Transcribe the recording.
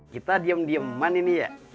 kita diem dieman ini ya